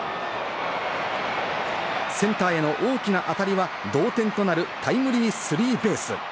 センターへの大きな当たりは同点となるタイムリースリーベース。